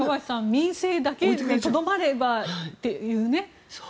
民生だけにとどまればというね。